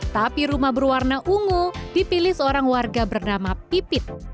tapi rumah berwarna ungu dipilih seorang warga bernama pipit